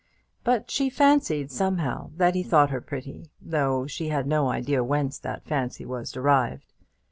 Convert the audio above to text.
But she fancied, somehow, that he thought her pretty, though she had no idea whence that fancy was derived.